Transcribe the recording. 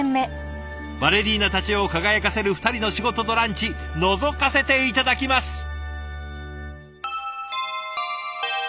バレリーナたちを輝かせる２人の仕事とランチのぞかせて頂きます。